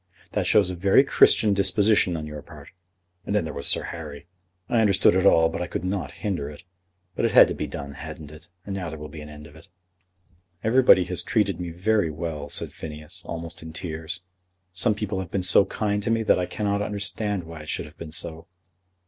"That shows a very Christian disposition on your part. And then there was Sir Harry. I understood it all, but I could not hinder it. But it had to be done, hadn't it? And now there will be an end of it." "Everybody has treated me very well," said Phineas, almost in tears. "Some people have been so kind to me that I cannot understand why it should have been so."